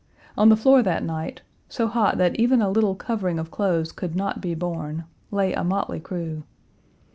On the floor that night, so hot that even a little covering of clothes could not be borne, lay a motley crew.